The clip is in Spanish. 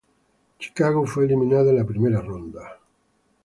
Chicago fue eliminada en la primera ronda.